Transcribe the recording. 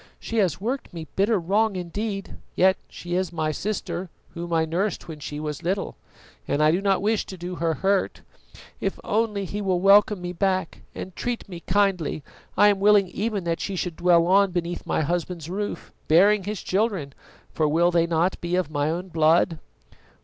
"She has worked me bitter wrong indeed, yet she is my sister, whom I nursed when she was little, and I do not wish to do her hurt. If only he will welcome me back and treat me kindly, I am willing even that she should dwell on beneath my husband's roof, bearing his children, for will they not be of my own blood?"